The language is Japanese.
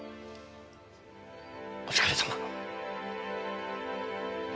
お疲れさま。